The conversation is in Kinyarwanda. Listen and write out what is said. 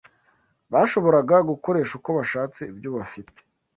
bashoboraga gukoresha uko bashaka ibyo bafite